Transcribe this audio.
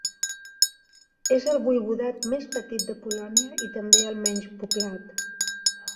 És el voivodat més petit de Polònia i també el menys poblat.